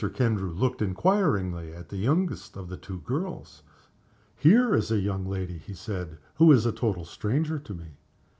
Kendrew looked inquiringly at the youngest of the two girls. "Here is a young lady," he said, "who is a total stranger to me."